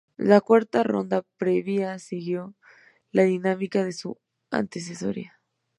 La cuarta ronda previa siguió la dinámica de su antecesora.